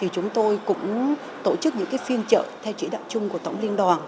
chúng tôi cũng tổ chức những phiên trợ theo chỉ đạo chung của tổng liên đoàn